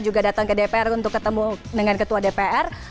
juga datang ke dpr untuk ketemu dengan ketua dpr